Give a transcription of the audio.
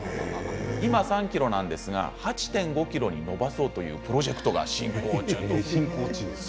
今３ｋｍなんですが８．５ｋｍに延ばそうというプロジェクトが進行中です。